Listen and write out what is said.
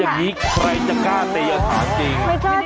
เนี่ยไม่เอาไหม